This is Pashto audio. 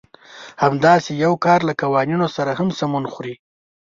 همداسې يو کار له قوانينو سره هم سمون خوري.